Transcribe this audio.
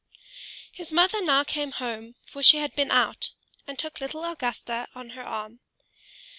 His mother now came home, for she had been out, and took little Augusta on her arm.